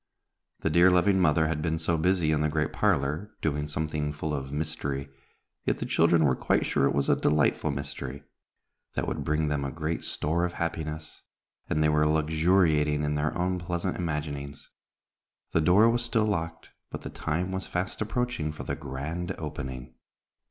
The dear, loving mother had been so busy in the great parlor, doing something full of mystery, yet the children were quite sure it was a delightful mystery, that would bring them a great store of happiness, and they were luxuriating in their own pleasant imaginings. The door was still locked, but the time was fast approaching for the grand opening.